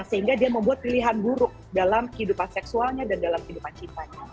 sehingga dia membuat pilihan buruk dalam kehidupan seksualnya dan dalam kehidupan cintanya